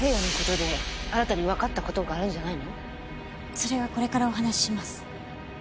それはこれからお話しします。